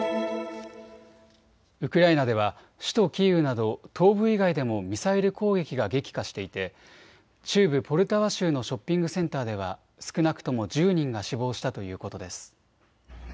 ウクライナでは首都キーウなど東部以外でもミサイル攻撃が激化していて中部ポルタワ州のショッピングセンターでは少なくとも１０人が死亡したということです。